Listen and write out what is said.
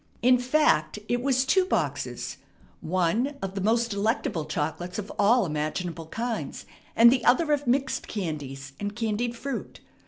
In fact, it was two boxes, one of the most delectable chocolates of all imaginable kinds, and the other of mixed candies and candied fruit.